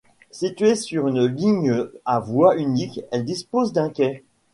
Située sur une ligne à voie unique, elle dispose d'un quai.